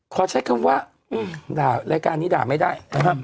ขอใช้คำว่าด่ารายการนี้ด่าไม่ได้นะครับ